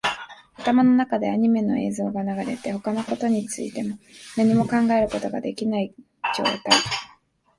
頭の中でアニメの映像が流れて、他のことについて何も考えることができない状態